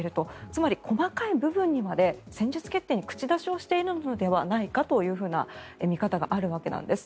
つまり細かい部分にまで戦術決定に口出しをしているのではないかというふうな見方があるわけなんです。